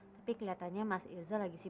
tapi dia gak mau kesini hari ini mah